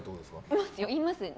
いますよ。